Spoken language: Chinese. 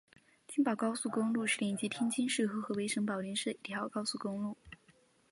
津保高速公路是连接天津市和河北省保定市的一条高速公路。